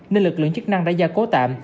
nên lực lượng chức năng đã gia cố tạm